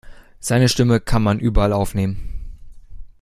Seine Stimme kann man überall aufnehmen.